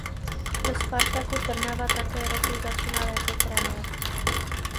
Ve Spartaku Trnava také roku začínal jako trenér.